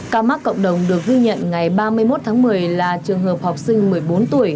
ca mắc cộng đồng được ghi nhận ngày ba mươi một tháng một mươi là trường hợp học sinh một mươi bốn tuổi